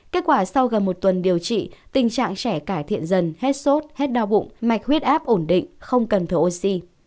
kết quả sau gần một tuần điều trị tình trạng trẻ cải thiện dần hết sốt hết đau bụng mạch huyết áp ổn định không cần thở oxy